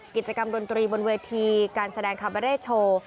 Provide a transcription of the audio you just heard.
กิจกรรมดนตรีบนเวทีการแสดงคาบาเร่โชว์